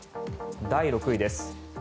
第６位です。